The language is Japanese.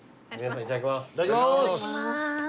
いただきます。